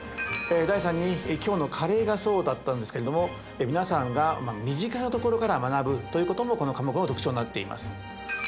第３に今日のカレーがそうだったんですけれども皆さんが身近なところから学ぶということもこの科目の特徴になっています。